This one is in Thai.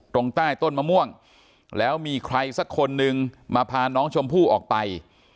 ตรงใต้ต้นมะม่วงแล้วมีใครสักคนนึงมาพาน้องชมพู่ออกไป